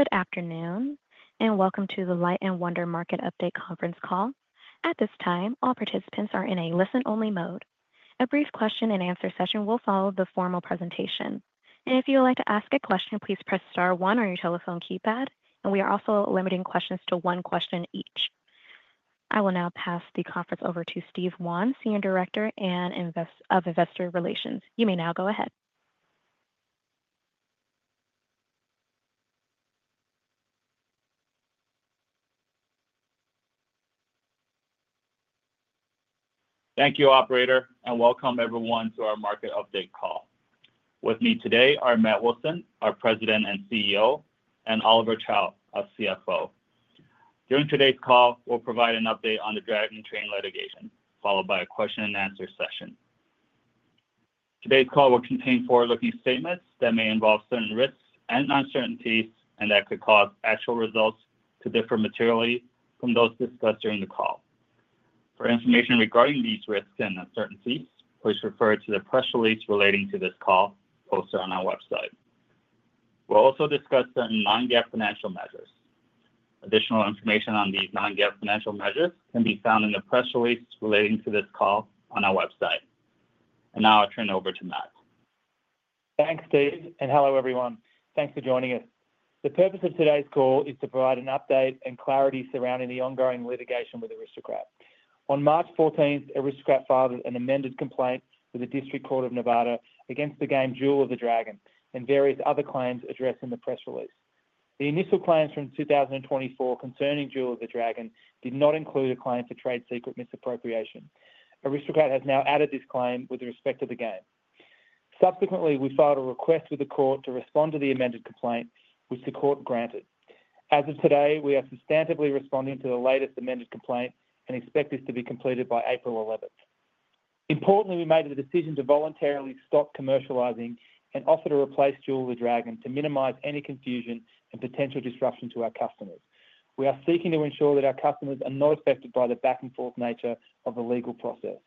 Good afternoon and welcome to the Light & Wonder Market Update Conference call. At this time, all participants are in a listen-only mode. A brief question-and-answer session will follow the formal presentation. If you would like to ask a question, please press star one on your telephone keypad. We are also limiting questions to one question each. I will now pass the conference over to Steve Wan, CEO and Director of Investor Relations. You may now go ahead. Thank you, Operator, and welcome everyone to our market update call. With me today are Matt Wilson, our President and CEO, and Oliver Chow, our CFO. During today's call, we'll provide an update on the Dragon Train litigation, followed by a question-and-answer session. Today's call will contain forward-looking statements that may involve certain risks and uncertainties and that could cause actual results to differ materially from those discussed during the call. For information regarding these risks and uncertainties, please refer to the press release relating to this call posted on our website. We'll also discuss certain non-GAAP financial measures. Additional information on these non-GAAP financial measures can be found in the press release relating to this call on our website. Now I'll turn it over to Matt. Thanks, Steve, and hello everyone. Thanks for joining us. The purpose of today's call is to provide an update and clarity surrounding the ongoing litigation with Aristocrat. On March 14, Aristocrat filed an amended complaint with the District Court of Nevada against the game Jewel of the Dragon and various other claims addressed in the press release. The initial claims from 2024 concerning Jewel of the Dragon did not include a claim for trade secret misappropriation. Aristocrat has now added this claim with respect to the game. Subsequently, we filed a request with the court to respond to the amended complaint, which the court granted. As of today, we are substantively responding to the latest amended complaint and expect this to be completed by April 11. Importantly, we made the decision to voluntarily stop commercializing and offer to replace Jewel of the Dragon to minimize any confusion and potential disruption to our customers. We are seeking to ensure that our customers are not affected by the back-and-forth nature of the legal process.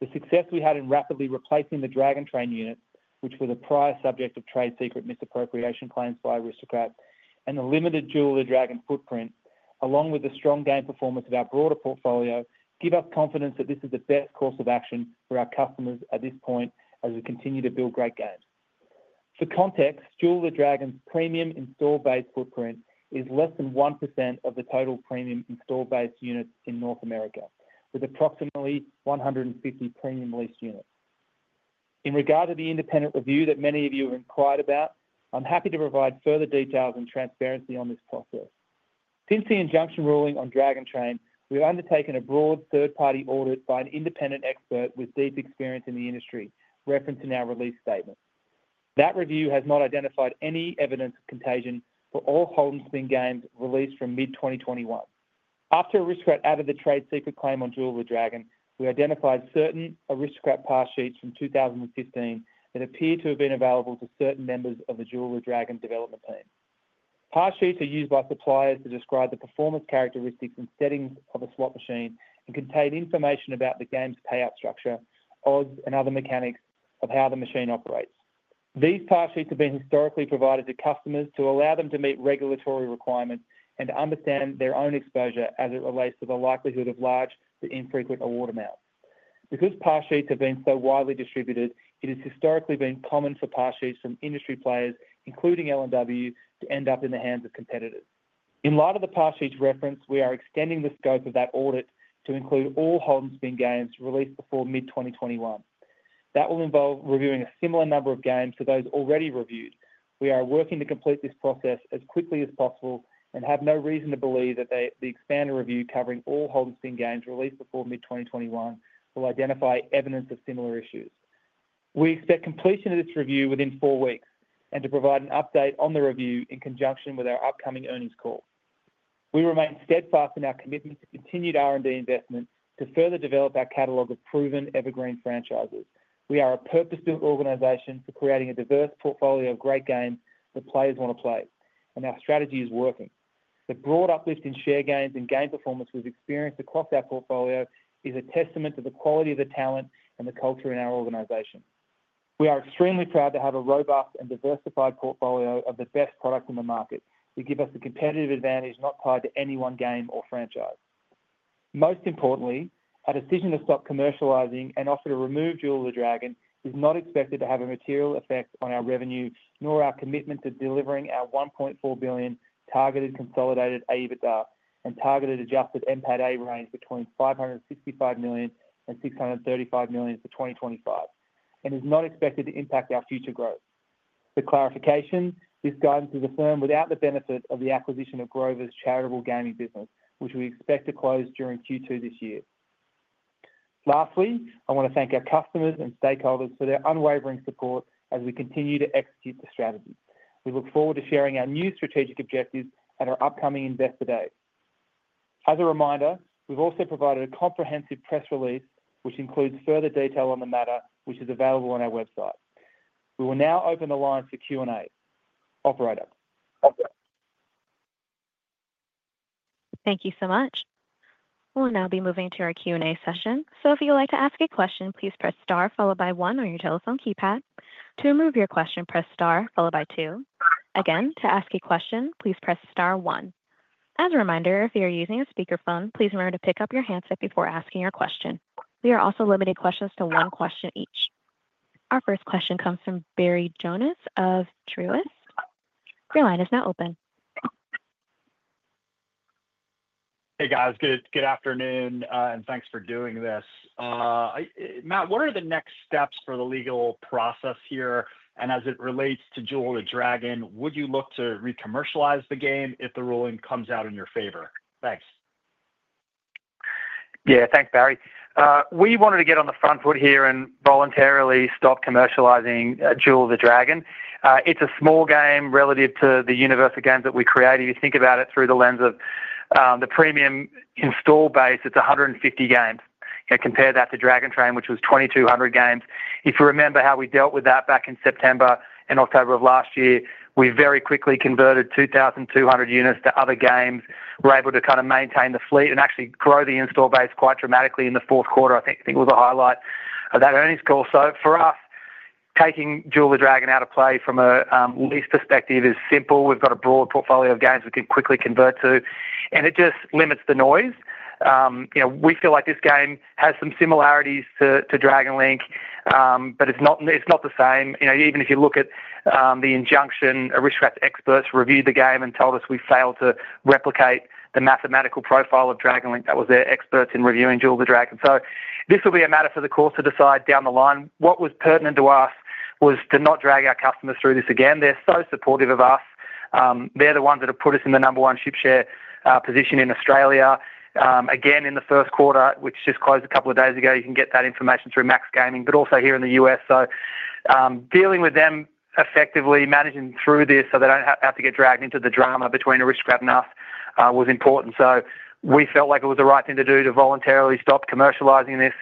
The success we had in rapidly replacing the Dragon Train unit, which was a prior subject of trade secret misappropriation claims by Aristocrat, and the limited Jewel of the Dragon footprint, along with the strong game performance of our broader portfolio, give us confidence that this is the best course of action for our customers at this point as we continue to build great games. For context, Jewel of the Dragon's premium installed base footprint is less than 1% of the total premium installed base units in North America, with approximately 150 premium lease units. In regard to the independent review that many of you have inquired about, I'm happy to provide further details and transparency on this process. Since the injunction ruling on Dragon Train, we've undertaken a broad third-party audit by an independent expert with deep experience in the industry, referencing our release statement. That review has not identified any evidence of contagion for all Hold & Spin games released from mid-2021. After Aristocrat added the trade secret claim on Jewel of the Dragon, we identified certain Aristocrat par sheets from 2015 that appear to have been available to certain members of the Jewel of the Dragon development team. Par sheets are used by suppliers to describe the performance characteristics and settings of a slot machine and contain information about the game's payout structure, odds, and other mechanics of how the machine operates. These par sheets have been historically provided to customers to allow them to meet regulatory requirements and to understand their own exposure as it relates to the likelihood of large to infrequent award amounts. Because par sheets have been so widely distributed, it has historically been common for par sheets from industry players, including LNW, to end up in the hands of competitors. In light of the par sheets reference, we are extending the scope of that audit to include all Hold & Spin games released before mid-2021. That will involve reviewing a similar number of games to those already reviewed. We are working to complete this process as quickly as possible and have no reason to believe that the expanded review covering all Hold & Spin games released before mid-2021 will identify evidence of similar issues. We expect completion of this review within four weeks and to provide an update on the review in conjunction with our upcoming earnings call. We remain steadfast in our commitment to continued R&D investment to further develop our catalog of proven evergreen franchises. We are a purpose-built organization for creating a diverse portfolio of great games that players want to play, and our strategy is working. The broad uplift in share gains and game performance we have experienced across our portfolio is a testament to the quality of the talent and the culture in our organization. We are extremely proud to have a robust and diversified portfolio of the best products in the market. You give us a competitive advantage not tied to any one game or franchise. Most importantly, our decision to stop commercializing and offer to remove Jewel of the Dragon is not expected to have a material effect on our revenue, nor our commitment to delivering our $1.4 billion targeted consolidated AEBITDA and targeted adjusted NPATA range between $565 million and $635 million for 2025, and is not expected to impact our future growth. For clarification, this guidance is affirmed without the benefit of the acquisition of Grover Gaming's charitable gaming business, which we expect to close during Q2 this year. Lastly, I want to thank our customers and stakeholders for their unwavering support as we continue to execute the strategy. We look forward to sharing our new strategic objectives at our upcoming Investor Day. As a reminder, we've also provided a comprehensive press release, which includes further detail on the matter, which is available on our website. We will now open the line for Q&A. Operator. Thank you so much. We will now be moving to our Q&A session. If you would like to ask a question, please press star followed by one on your telephone keypad. To remove your question, press star followed by two. Again, to ask a question, please press star one. As a reminder, if you are using a speakerphone, please remember to pick up your handset before asking your question. We are also limiting questions to one question each. Our first question comes from Barry Jonas of Truist. Your line is now open. Hey, guys. Good afternoon and thanks for doing this. Matt, what are the next steps for the legal process here? As it relates to Jewel of the Dragon, would you look to re-commercialize the game if the ruling comes out in your favor? Thanks. Yeah, thanks, Barry. We wanted to get on the front foot here and voluntarily stop commercializing Jewel of the Dragon. It's a small game relative to the universe of games that we created. If you think about it through the lens of the premium install base, it's 150 games. Compare that to Dragon Train, which was 2,200 games. If you remember how we dealt with that back in September and October of last year, we very quickly converted 2,200 units to other games. We're able to kind of maintain the fleet and actually grow the install base quite dramatically in the Q4, I think was a highlight of that earnings call. For us, taking Jewel of the Dragon out of play from a lease perspective is simple. We've got a broad portfolio of games we can quickly convert to, and it just limits the noise. We feel like this game has some similarities to Dragon Link, but it's not the same. Even if you look at the injunction, Aristocrat's experts reviewed the game and told us we failed to replicate the mathematical profile of Dragon Link. That was their experts in reviewing Jewel of the Dragon. This will be a matter for the courts to decide down the line. What was pertinent to us was to not drag our customers through this again. They're so supportive of us. They're the ones that have put us in the number one ship share position in Australia. Again, in the Q1, which just closed a couple of days ago, you can get that information through Max Gaming, but also here in the U.S. Dealing with them effectively, managing through this so they do not have to get dragged into the drama between Aristocrat and us was important. We felt like it was the right thing to do to voluntarily stop commercializing this,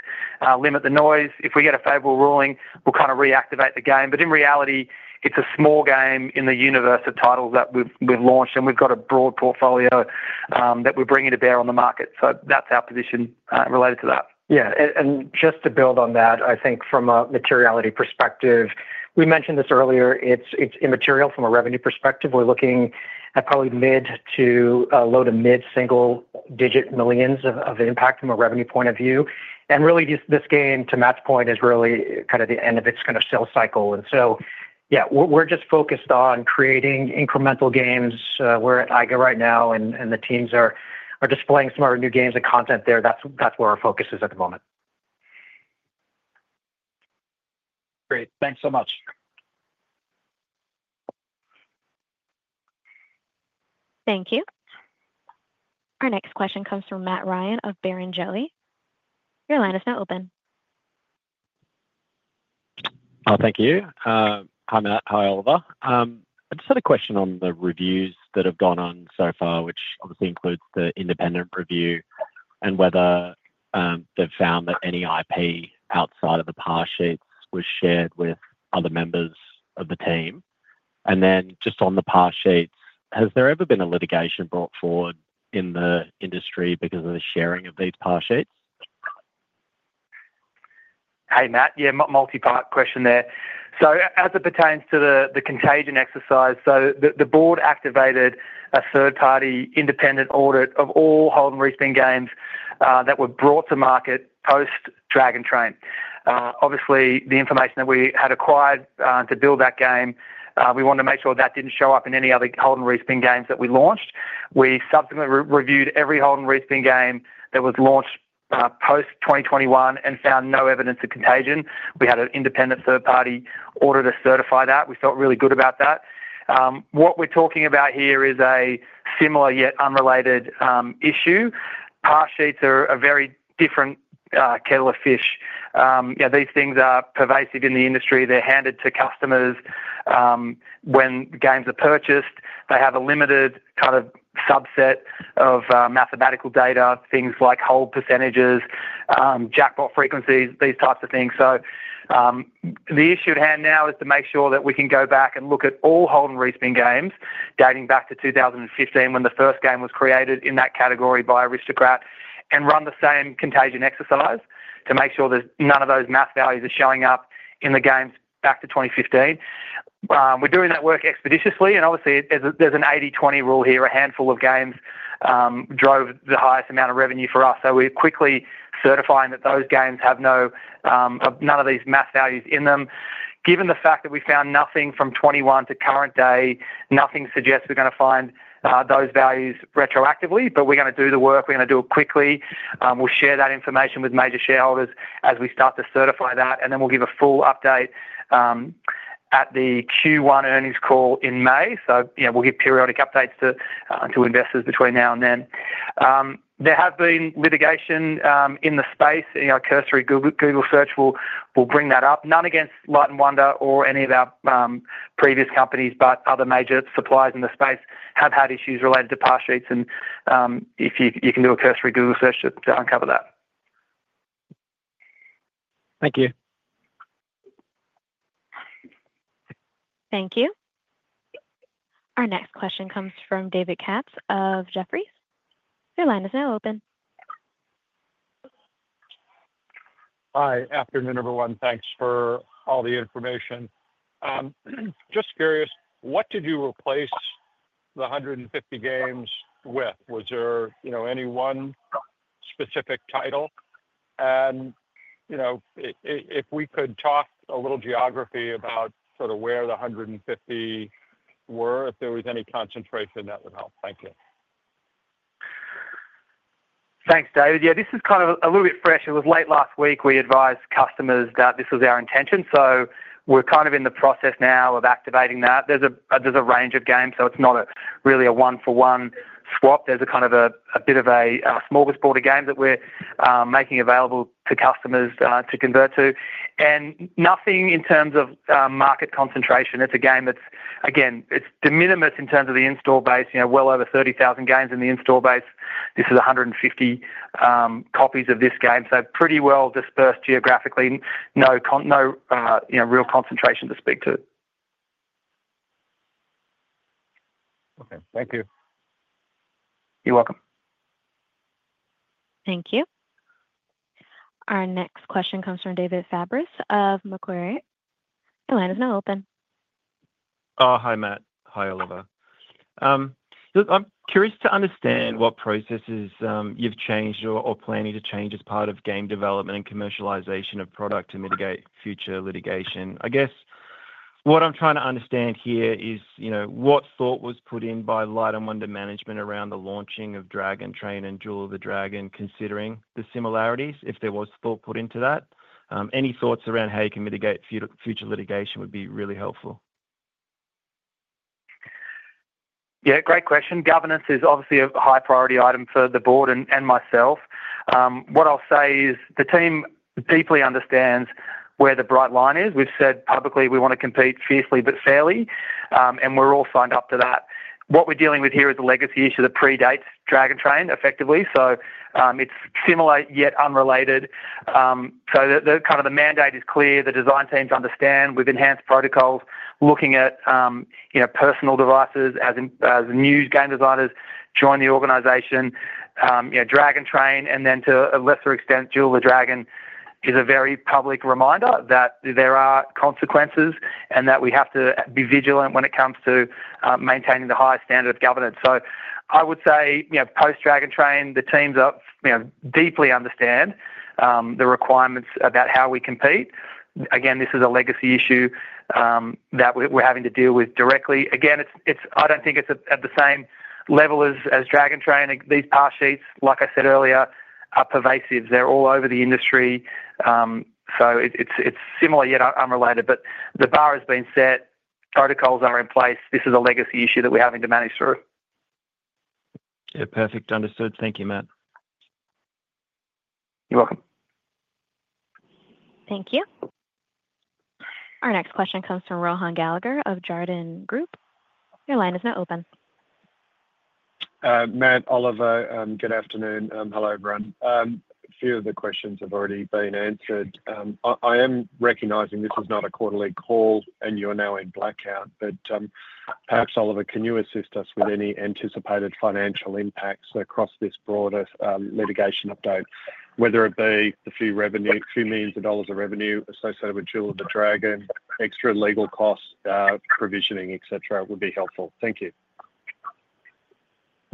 limit the noise. If we get a favorable ruling, we will kind of reactivate the game. In reality, it is a small game in the universe of titles that we have launched, and we have a broad portfolio that we are bringing to bear on the market. That is our position related to that. Yeah. Just to build on that, I think from a materiality perspective, we mentioned this earlier, it's immaterial from a revenue perspective. We're looking at probably low to mid single-digit millions of impact from a revenue point of view. Really, this game, to Matt's point, is really kind of the end of its kind of sale cycle. Yeah, we're just focused on creating incremental games. We're at IGA right now, and the teams are displaying some of our new games and content there. That's where our focus is at the moment. Great. Thanks so much. Thank you. Our next question comes from Matt Ryan of Barrenjoey. Your line is now open. Oh, thank you. Hi, Matt. Hi, Oliver. I just had a question on the reviews that have gone on so far, which obviously includes the independent review and whether they've found that any IP outside of the par sheets was shared with other members of the team. I just on the par sheets, has there ever been a litigation brought forward in the industry because of the sharing of these par sheets? Hey, Matt. Yeah, multi-part question there. As it pertains to the contagion exercise, the board activated a third-party independent audit of all Hold & Spin games that were brought to market post Dragon Train. Obviously, the information that we had acquired to build that game, we wanted to make sure that did not show up in any other Hold & Spin games that we launched. We subsequently reviewed every Hold & Spin game that was launched post 2021 and found no evidence of contagion. We had an independent third-party auditor certify that. We felt really good about that. What we are talking about here is a similar yet unrelated issue. Par sheets are a very different kettle of fish. These things are pervasive in the industry. They are handed to customers when games are purchased. They have a limited kind of subset of mathematical data, things like hold percentages, jackpot frequencies, these types of things. The issue at hand now is to make sure that we can go back and look at all Hold & Spin games dating back to 2015 when the first game was created in that category by Aristocrat and run the same contagion exercise to make sure that none of those math values are showing up in the games back to 2015. We're doing that work expeditiously. Obviously, there's an 80/20 rule here. A handful of games drove the highest amount of revenue for us. We're quickly certifying that those games have none of these math values in them. Given the fact that we found nothing from 2021 to current day, nothing suggests we're going to find those values retroactively, but we're going to do the work. We're going to do it quickly. We'll share that information with major shareholders as we start to certify that, and then we'll give a full update at the Q1 earnings call in May. We'll give periodic updates to investors between now and then. There has been litigation in the space. A cursory Google search will bring that up. None against Light & Wonder or any of our previous companies, but other major suppliers in the space have had issues related to par sheets. If you can do a cursory Google search to uncover that. Thank you. Thank you. Our next question comes from David Katz of Jefferies. Your line is now open. Hi. Afternoon, everyone. Thanks for all the information. Just curious, what did you replace the 150 games with? Was there any one specific title? If we could talk a little geography about sort of where the 150 were, if there was any concentration, that would help. Thank you. Thanks, David. Yeah, this is kind of a little bit fresh. It was late last week we advised customers that this was our intention. We are kind of in the process now of activating that. There's a range of games, so it's not really a one-for-one swap. There's kind of a bit of a smorgasbord of games that we're making available to customers to convert to. Nothing in terms of market concentration. It's a game that's, again, it's de minimis in terms of the install base. Well over 30,000 games in the install base. This is 150 copies of this game. Pretty well dispersed geographically. No real concentration to speak to. Okay. Thank you. You're welcome. Thank you. Our next question comes from David Fabris of Macquarie. Your line is now open. Oh, hi, Matt. Hi, Oliver. I'm curious to understand what processes you've changed or planning to change as part of game development and commercialization of product to mitigate future litigation. I guess what I'm trying to understand here is what thought was put in by Light & Wonder Management around the launching of Dragon Train and Jewel of the Dragon, considering the similarities, if there was thought put into that? Any thoughts around how you can mitigate future litigation would be really helpful. Yeah, great question. Governance is obviously a high-priority item for the board and myself. What I'll say is the team deeply understands where the bright line is. We've said publicly we want to compete fiercely but fairly, and we're all signed up to that. What we're dealing with here is a legacy issue that predates Dragon Train effectively. It's similar yet unrelated. The mandate is clear. The design teams understand. We've enhanced protocols looking at personal devices as new game designers join the organization. Dragon Train, and then to a lesser extent, Jewel of the Dragon is a very public reminder that there are consequences and that we have to be vigilant when it comes to maintaining the high standard of governance. I would say post Dragon Train, the teams deeply understand the requirements about how we compete. Again, this is a legacy issue that we're having to deal with directly. Again, I don't think it's at the same level as Dragon Train. These par sheets, like I said earlier, are pervasive. They're all over the industry. It is similar yet unrelated, but the bar has been set. Protocols are in place. This is a legacy issue that we're having to manage through. Yeah, perfect. Understood. Thank you, Matt. You're welcome. Thank you. Our next question comes from Rohan Gallagher of Jarden. Your line is now open. Matt, Oliver, good afternoon. Hello everyone. A few of the questions have already been answered. I am recognizing this is not a quarterly call and you're now in blackout, but perhaps, Oliver, can you assist us with any anticipated financial impacts across this broader litigation update, whether it be the few millions of dollars of revenue associated with Jewel of the Dragon, extra legal costs, provisioning, etc., would be helpful. Thank you.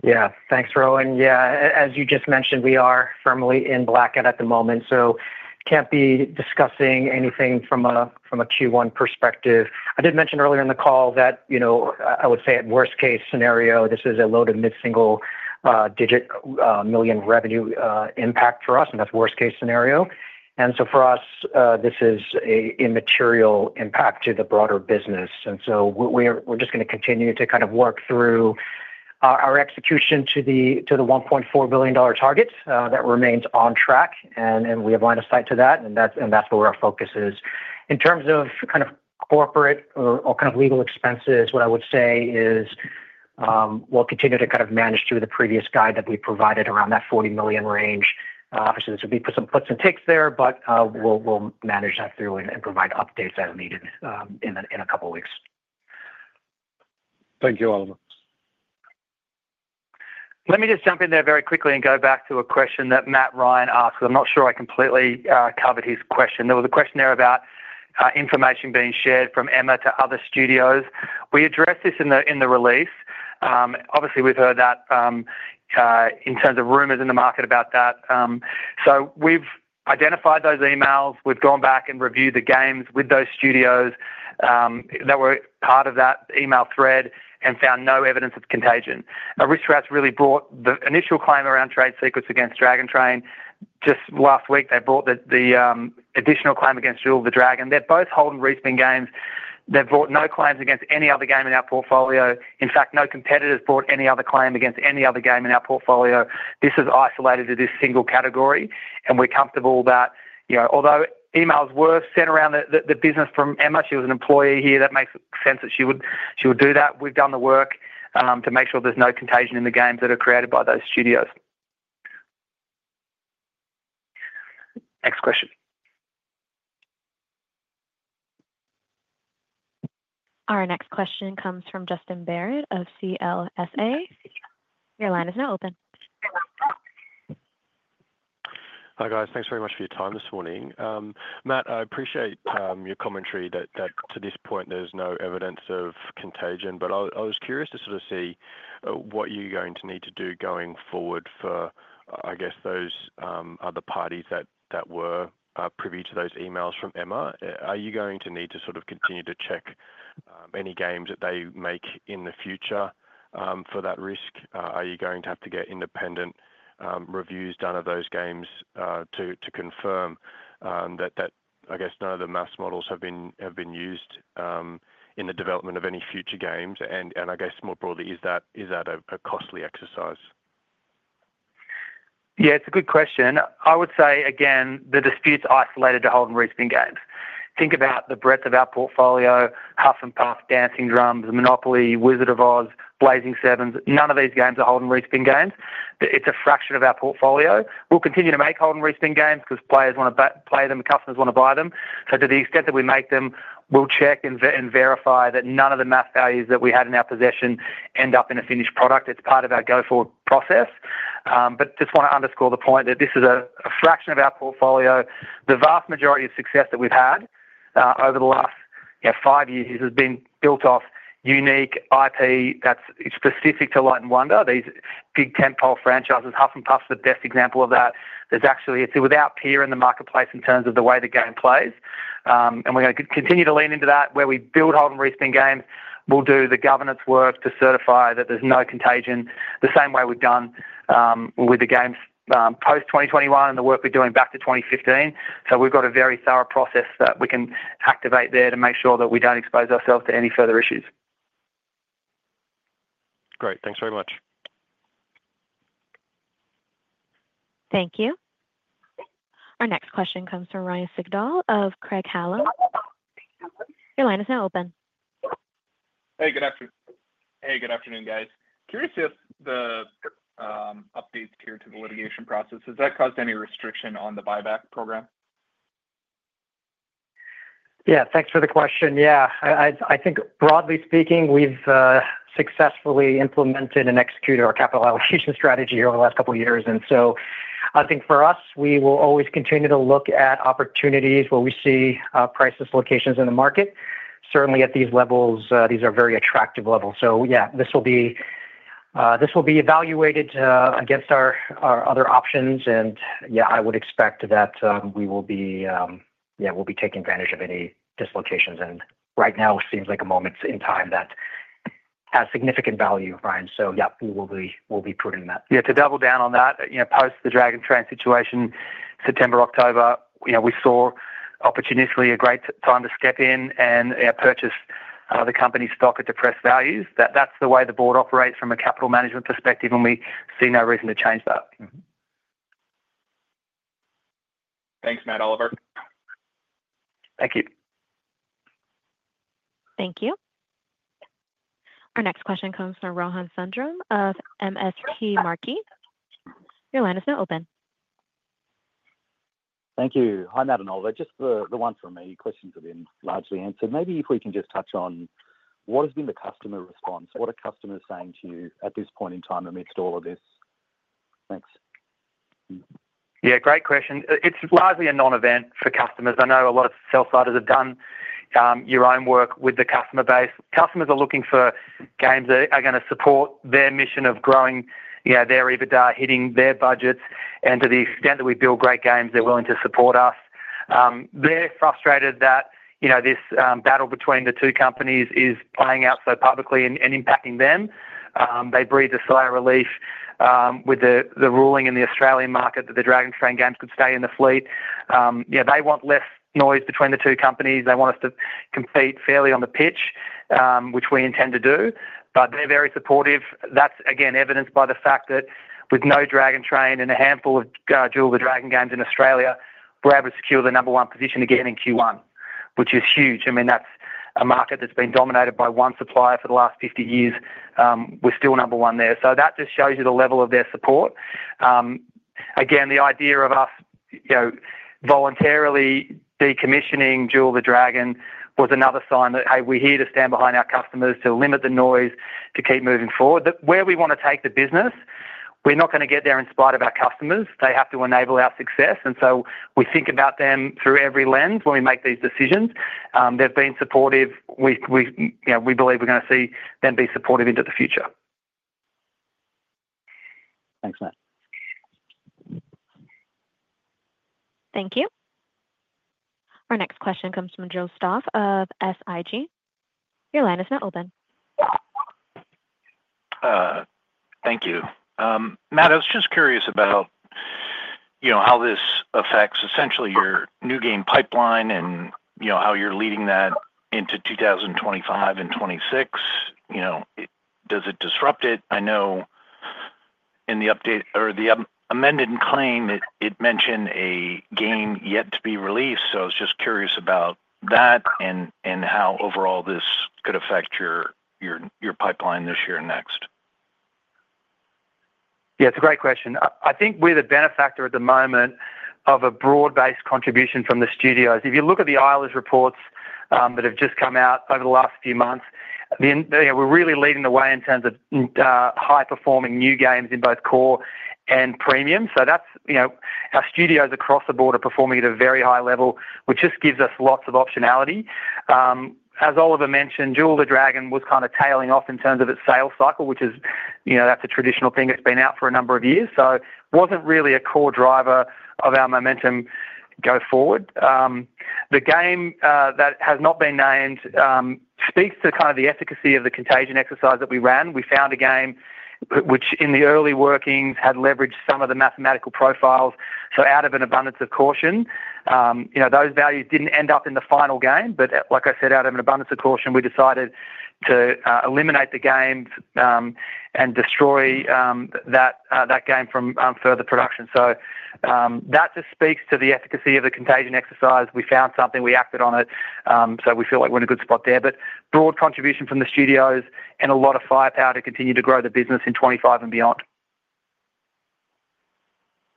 Yeah. Thanks, Rohan. Yeah. As you just mentioned, we are firmly in blackout at the moment, so can't be discussing anything from a Q1 perspective. I did mention earlier in the call that I would say at worst-case scenario, this is a low to mid single-digit million revenue impact for us, and that's worst-case scenario. For us, this is an immaterial impact to the broader business. We are just going to continue to kind of work through our execution to the $1.4 billion target that remains on track, and we have line of sight to that, and that's where our focus is. In terms of kind of corporate or kind of legal expenses, what I would say is we'll continue to kind of manage through the previous guide that we provided around that $40 million range. Obviously, there's going to be some puts and takes there, but we'll manage that through and provide updates as needed in a couple of weeks. Thank you, Oliver. Let me just jump in there very quickly and go back to a question that Matt Ryan asked. I'm not sure I completely covered his question. There was a question there about information being shared from Emma to other studios. We addressed this in the release. Obviously, we've heard that in terms of rumors in the market about that. We've identified those emails. We've gone back and reviewed the games with those studios that were part of that email thread and found no evidence of contagion. Aristocrat really brought the initial claim around trade secrets against Dragon Train just last week. They brought the additional claim against Jewel of the Dragon. They're both Hold & Spin games. They've brought no claims against any other game in our portfolio. In fact, no competitor's brought any other claim against any other game in our portfolio. This is isolated to this single category, and we're comfortable that although emails were sent around the business from Emma, she was an employee here, that makes sense that she would do that. We've done the work to make sure there's no contagion in the games that are created by those studios. Next question. Our next question comes from Justin Barratt of CLSA. Your line is now open. Hi guys. Thanks very much for your time this morning. Matt, I appreciate your commentary that to this point there's no evidence of contagion, but I was curious to sort of see what you're going to need to do going forward for, I guess, those other parties that were privy to those emails from Emma. Are you going to need to sort of continue to check any games that they make in the future for that risk? Are you going to have to get independent reviews done of those games to confirm that, I guess, none of the math models have been used in the development of any future games? I guess more broadly, is that a costly exercise? Yeah, it's a good question. I would say, again, the dispute's isolated to Hold & Spin games. Think about the breadth of our portfolio: Huff and Puff, Dancing Drums, Monopoly, Wizard of Oz, Blazing Sevens. None of these games are Hold & Spin games. It's a fraction of our portfolio. We'll continue to make Hold & Spin games because players want to play them, customers want to buy them. To the extent that we make them, we'll check and verify that none of the math values that we had in our possession end up in a finished product. It's part of our go-forward process. I just want to underscore the point that this is a fraction of our portfolio. The vast majority of success that we've had over the last five years has been built off unique IP that's specific to Light & Wonder, these big tentpole franchises. Huff and Puff is the best example of that. It's without peer in the marketplace in terms of the way the game plays. We're going to continue to lean into that where we build Hold & Spin games. We'll do the governance work to certify that there's no contagion the same way we've done with the games post 2021 and the work we're doing back to 2015. We've got a very thorough process that we can activate there to make sure that we don't expose ourselves to any further issues. Great. Thanks very much. Thank you. Our next question comes from Ryan Sigdahl of Craig-Hallum. Your line is now open. Hey, good afternoon. Hey, good afternoon, guys. Curious if the updates here to the litigation process, has that caused any restriction on the buyback program? Yeah. Thanks for the question. Yeah. I think, broadly speaking, we've successfully implemented and executed our capital allocation strategy over the last couple of years. I think for us, we will always continue to look at opportunities where we see price dislocations in the market. Certainly, at these levels, these are very attractive levels. Yeah, this will be evaluated against our other options. Yeah, I would expect that we will be taking advantage of any dislocations. Right now, it seems like a moment in time that has significant value, Ryan. Yeah, we will be prudent in that. Yeah. To double down on that, post the Dragon Train situation, September, October, we saw opportunistically a great time to step in and purchase the company stock at depressed values. That's the way the board operates from a capital management perspective, and we see no reason to change that. Thanks, Matt. Oliver. Thank you. Thank you. Our next question comes from Rohan Sundram of MST Marquee. Your line is now open. Thank you. Hi, Matt and Oliver. Just the one from me. Questions have been largely answered. Maybe if we can just touch on what has been the customer response? What are customers saying to you at this point in time amidst all of this? Thanks. Yeah, great question. It is largely a non-event for customers. I know a lot of sell-siders have done your own work with the customer base. Customers are looking for games that are going to support their mission of growing their EBITDA, hitting their budgets. To the extent that we build great games, they are willing to support us. They are frustrated that this battle between the two companies is playing out so publicly and impacting them. They breathe a sigh of relief with the ruling in the Australian market that the Dragon Train games could stay in the fleet. They want less noise between the two companies. They want us to compete fairly on the pitch, which we intend to do. They are very supportive. That's, again, evidenced by the fact that with no Dragon Train and a handful of Jewel of the Dragon games in Australia, Brabbers secured the number one position again in Q1, which is huge. I mean, that's a market that's been dominated by one supplier for the last 50 years. We're still number one there. That just shows you the level of their support. Again, the idea of us voluntarily decommissioning Jewel of the Dragon was another sign that, hey, we're here to stand behind our customers, to limit the noise, to keep moving forward. Where we want to take the business, we're not going to get there in spite of our customers. They have to enable our success. We think about them through every lens when we make these decisions. They've been supportive. We believe we're going to see them be supportive into the future. Thanks, Matt. Thank you. Our next question comes from Joe Stauff of SIG. Your line is now open. Thank you. Matt, I was just curious about how this affects essentially your new game pipeline and how you're leading that into 2025 and 2026. Does it disrupt it? I know in the amended claim, it mentioned a game yet to be released. I was just curious about that and how overall this could affect your pipeline this year and next. Yeah, it's a great question. I think we're the benefactor at the moment of a broad-based contribution from the studios. If you look at the Eilers reports that have just come out over the last few months, we're really leading the way in terms of high-performing new games in both core and premium. Our studios across the board are performing at a very high level, which just gives us lots of optionality. As Oliver mentioned, Jewel of the Dragon was kind of tailing off in terms of its sales cycle, which is a traditional thing that's been out for a number of years. It wasn't really a core driver of our momentum go forward. The game that has not been named speaks to the efficacy of the contagion exercise that we ran. We found a game which, in the early workings, had leveraged some of the mathematical profiles. Out of an abundance of caution, those values did not end up in the final game. Like I said, out of an abundance of caution, we decided to eliminate the game and destroy that game from further production. That just speaks to the efficacy of the contagion exercise. We found something. We acted on it. We feel like we are in a good spot there. Broad contribution from the studios and a lot of firepower to continue to grow the business in 2025 and beyond.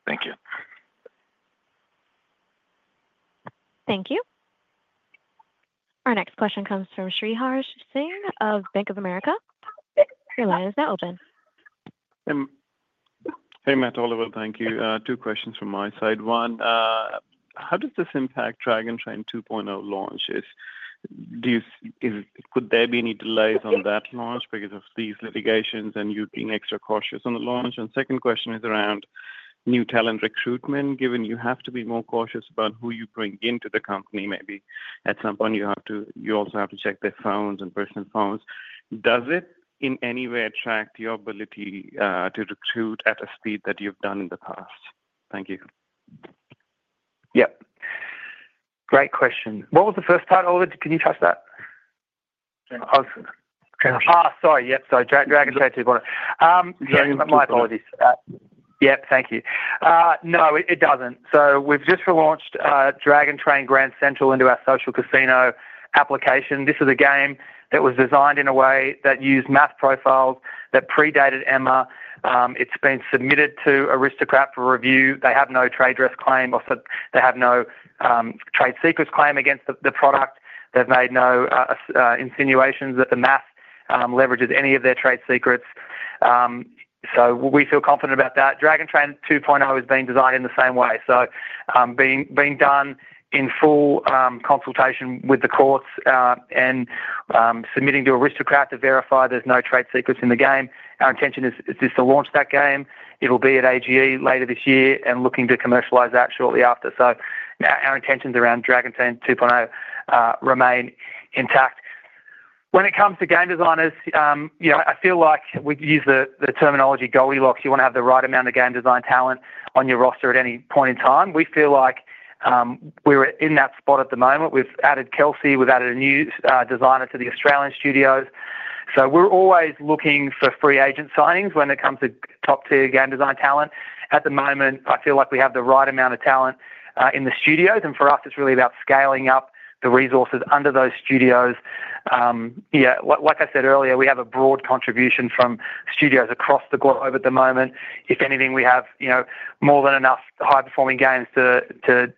Thank you. Thank you. Our next question comes from Srihar Singh of Bank of America. Your line is now open. Hey, Matt, Oliver. Thank you. Two questions from my side. One, how does this impact Dragon Train 2.0 launches? Could there be any delays on that launch because of these litigations and you being extra cautious on the launch? Second question is around new talent recruitment. Given you have to be more cautious about who you bring into the company, maybe at some point you also have to check their phones and personal phones. Does it in any way attract your ability to recruit at a speed that you've done in the past? Thank you. Yeah. Great question. What was the first part, Oliver? Can you touch that? Sorry. Yep. Sorry. Dragon Train 2.0. My apologies. Yeah. Thank you. No, it doesn't. We've just relaunched Dragon Train Grand Central into our social casino application. This is a game that was designed in a way that used math profiles that predated Emma. It's been submitted to Aristocrat for review. They have no trade secrets claim against the product. They've made no insinuations that the math leverages any of their trade secrets. We feel confident about that. Dragon Train 2.0 is being designed in the same way. Being done in full consultation with the courts and submitting to Aristocrat to verify there's no trade secrets in the game. Our intention is just to launch that game. It'll be at AGE later this year and looking to commercialize that shortly after. Our intentions around Dragon Train 2.0 remain intact. When it comes to game designers, I feel like we use the terminology Goldilocks. You want to have the right amount of game design talent on your roster at any point in time. We feel like we're in that spot at the moment. We've added Kelsey. We've added a new designer to the Australian studios. We are always looking for free agent signings when it comes to top-tier game design talent. At the moment, I feel like we have the right amount of talent in the studios. For us, it's really about scaling up the resources under those studios. Like I said earlier, we have a broad contribution from studios across the globe at the moment. If anything, we have more than enough high-performing games to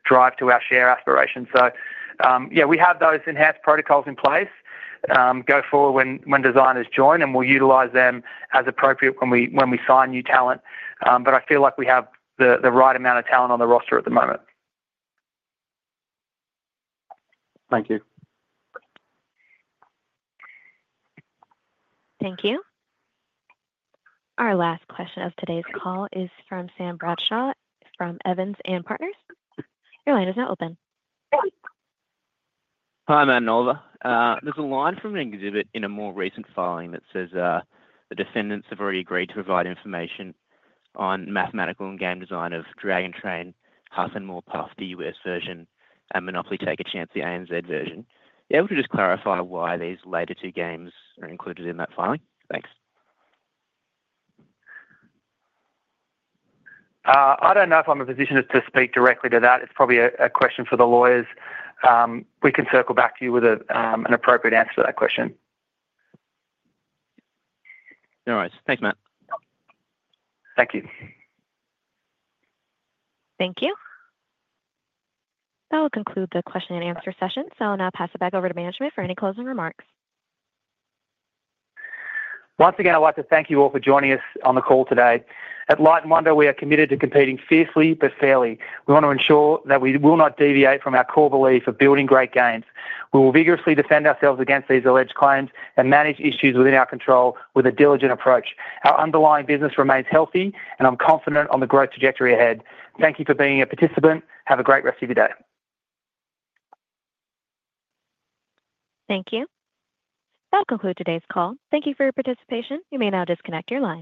drive to our share aspirations. We have those enhanced protocols in place. Go forward when designers join, and we will utilize them as appropriate when we sign new talent. I feel like we have the right amount of talent on the roster at the moment. Thank you. Thank you. Our last question of today's call is from Sam Bradshaw from Evans & Partners. Your line is now open. Hi, Matt and Oliver. There's a line from an exhibit in a more recent filing that says the defendants have already agreed to provide information on mathematical and game design of Dragon Train, Huff and More Puff, the US version, and Monopoly, Take a Chance, the AMZ version. Would you just clarify why these later two games are included in that filing? Thanks. I don't know if I'm in a position to speak directly to that. It's probably a question for the lawyers. We can circle back to you with an appropriate answer to that question. No worries. Thanks, Matt. Thank you. Thank you. That will conclude the question and answer session. I will now pass it back over to management for any closing remarks. Once again, I'd like to thank you all for joining us on the call today. At Light & Wonder, we are committed to competing fiercely but fairly. We want to ensure that we will not deviate from our core belief of building great games. We will vigorously defend ourselves against these alleged claims and manage issues within our control with a diligent approach. Our underlying business remains healthy, and I'm confident on the growth trajectory ahead. Thank you for being a participant. Have a great rest of your day. Thank you. That will conclude today's call. Thank you for your participation. You may now disconnect your line.